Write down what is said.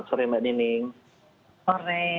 selamat sore mbak nining